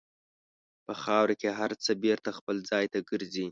په خاوره کې هر څه بېرته خپل ځای ته ګرځي.